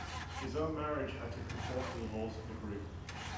His own marriage had to conform to the laws of the group.